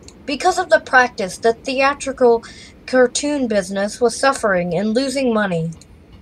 Because of the practice, the theatrical cartoon business was suffering and losing money.